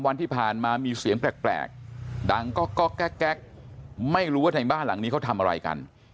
วันที่ผ่านมามีเสียงแปลกดังก๊อกแก๊กไม่รู้ว่าในบ้านหลังนี้เขาทำอะไรกัน